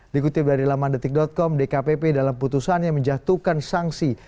dikutip dari lamandetik com dkpp dalam putusannya menjatuhkan sanksi